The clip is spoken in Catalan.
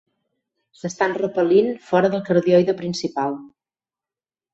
S'estan repel·lint fora del cardioide principal.